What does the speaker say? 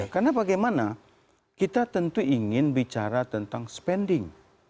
karena bagaimana kita tentu ingin bicara tentang spending